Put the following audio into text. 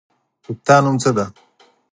ستا نوم څه دی ؟